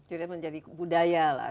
sudah menjadi budaya lah